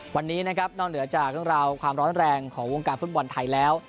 วันนี้เพื่อเรียกความร้อนแรงของวงการฟุตบอลไทยแล้ว